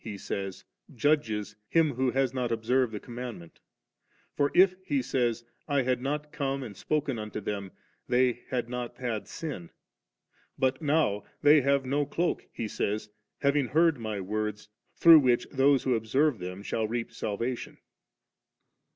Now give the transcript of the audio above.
He says, judges him who has not observed the command ment; * for if,' He says, 'I had not come and spoken unto them, they had not had sin ; but now they shall have no cloke S' He says, having heard My words, through which those who observe them shall reap Ovation.